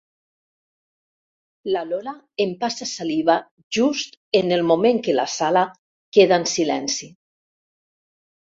La Lola empassa saliva just en el moment que la sala queda en silenci.